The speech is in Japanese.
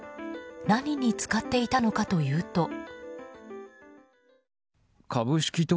何に使っていたのかというと。